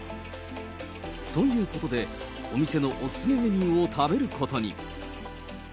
ということで、お店のお勧めメニューを食べることに。